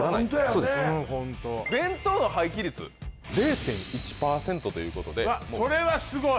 そうです弁当の廃棄率０．１％ということでそれはすごい！